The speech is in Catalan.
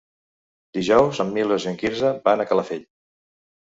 Dijous en Milos i en Quirze van a Calafell.